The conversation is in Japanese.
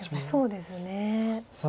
そうですね。